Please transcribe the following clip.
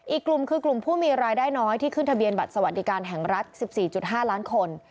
อีกกลุ่มคือกลุ่มผู้มีรายได้น้อยที่ขึ้นทะเบียนบัตรสวัสดิการแห่งรัฐ๑๔๕ล้านคน